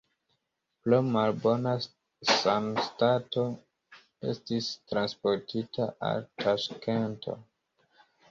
Pro malbona sanstato estis transportita al Taŝkento.